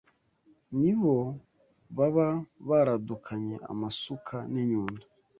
Nibo baba baradukanye amasuka n’inyundo